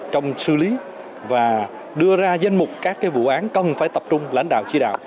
trong xử lý và đưa ra danh mục các vụ án cần phải tập trung lãnh đạo chỉ đạo